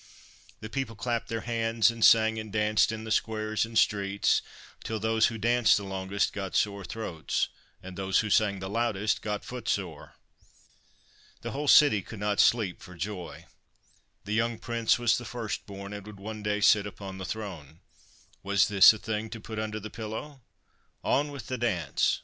The people clapped their hands and sang and danced in the squares and streets, till those who danced the longest got sore throats, and those who sang the loudest got footsore. The whole city could not sleep for joy. The young Prince was the first born, and would one day sit upon the throne : was this a thing to put under the pillow? On with the dance!